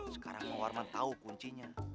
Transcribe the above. sekarang warman tahu kuncinya